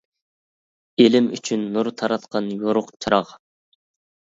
ئېلىم ئۈچۈن نۇر تاراتقان يورۇق چىراغ.